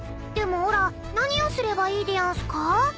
でもおら何をすればいいでやんすか？